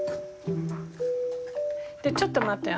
ちょっと待って。